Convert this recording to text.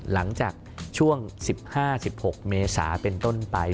หลังจากช่วง๑๕๑๖เมษาเป็นต้นไป